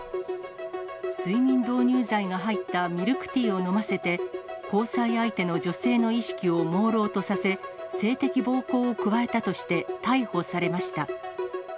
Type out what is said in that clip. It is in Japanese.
睡眠導入剤が入ったミルクティーを飲ませて、交際相手の女性の意識をもうろうとさせ、性的暴行を加えたとして、逮捕されました。